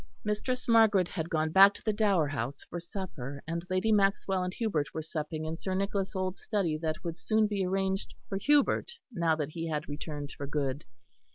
Mistress Margaret had gone back to the Dower House for supper; and Lady Maxwell and Hubert were supping in Sir Nicholas' old study that would soon be arranged for Hubert now that he had returned for good.